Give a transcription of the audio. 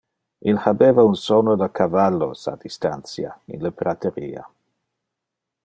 Il habeva un sono de cavallos a distantia, in le prateria.